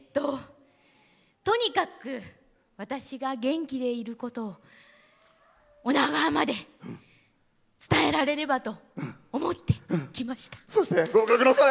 とにかく私が元気でいることを女川まで伝えられればと思って来ました。